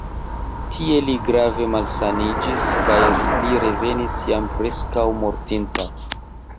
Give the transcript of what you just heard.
Tie li grave malsaniĝis kaj li revenis jam preskaŭ mortinta.